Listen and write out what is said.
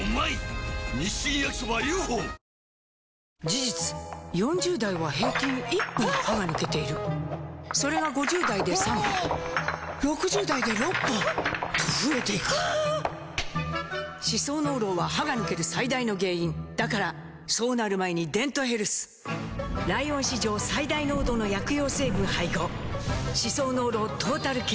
事実４０代は平均１本歯が抜けているそれが５０代で３本６０代で６本と増えていく歯槽膿漏は歯が抜ける最大の原因だからそうなる前に「デントヘルス」ライオン史上最大濃度の薬用成分配合歯槽膿漏トータルケア！